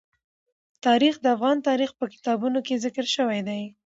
تاریخ د افغان تاریخ په کتابونو کې ذکر شوی دي.